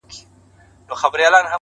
دا عجیب منظرکسي ده. وېره نه لري امامه.